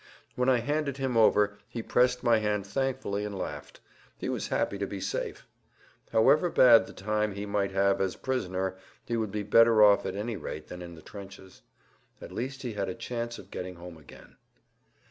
When I handed him over he pressed my hand thankfully and laughed; he was happy to be safe. However bad the time he might have as prisoner he would be better off at any rate than in the trenches. At least he had a chance of getting home again.